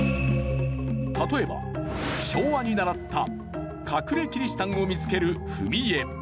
例えば昭和に習った隠れキリシタンを見つける「踏絵」。